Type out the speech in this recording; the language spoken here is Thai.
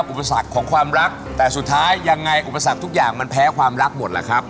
อุปสรรคทุกอย่างมันแพ้ความรักหมดละครับ